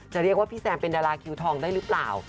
เรียกว่าพี่แซมเป็นดาราคิวทองได้หรือเปล่า